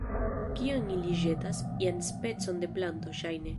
Kion ili ĵetas? ian specon de planto, ŝajne